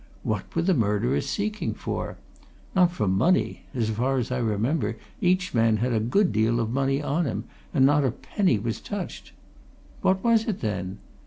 What were the murderers seeking for? Not for money as far as I remember, each man had a good deal of money on him, and not a penny was touched. What was it, then?